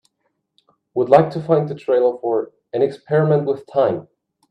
Would like to find the trailer for An Experiment with Time